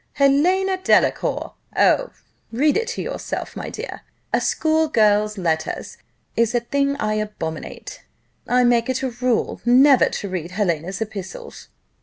'Helena Delacour.' Oh! read it to yourself, my dear a school girl's letter is a thing I abominate I make it a rule never to read Helena's epistles."